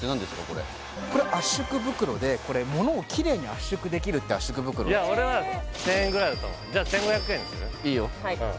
これ・これ圧縮袋で物をきれいに圧縮できるって圧縮袋です俺は１０００円ぐらいだと思うじゃあ１５００円にする？